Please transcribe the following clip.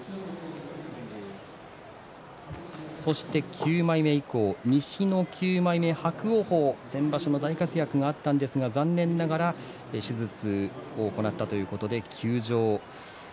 ９枚目以降では西の９枚目伯桜鵬、先場所の大活躍があったんですが残念ながら手術を行ったということで休場です。